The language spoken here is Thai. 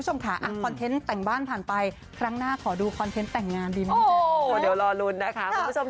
อย่างน้อยสักปีละเรื่องก็ยังดีค่ะ